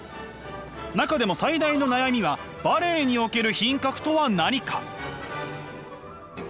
中でも最大の悩みはバレエにおける品格とは何か？